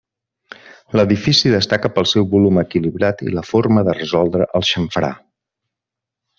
L'edifici destaca pel seu volum equilibrat i la forma de resoldre el xamfrà.